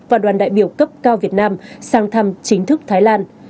và đoàn đại biểu cấp cao việt nam sang thăm chính thức thái lan